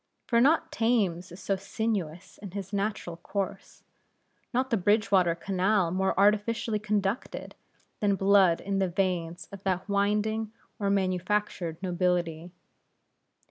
For not Thames is so sinuous in his natural course, not the Bridgewater Canal more artificially conducted, than blood in the veins of that winding or manufactured nobility.